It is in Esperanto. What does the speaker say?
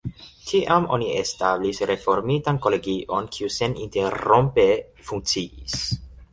Tiam oni establis reformitan kolegion, kiu seninterrompe funkciis.